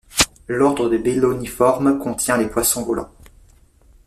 L’ordre des Béloniformes contient les poissons-volants.